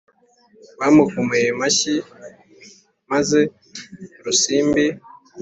bamukomeye amashyi maze rusimbi